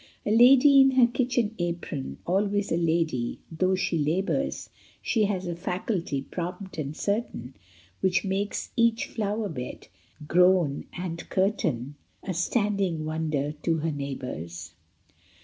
A NEW ENGLAND LADY. 193 A lady in her kitchen apron ; Always a lady, thongh she labors ; She has a "faculty " prompt and certain, Which makes each flower bed, gown, and curtain A standing wonder to her neighbors.